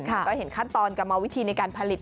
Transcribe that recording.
ก็เห็นคัดตอนกับวิธีในการผลิต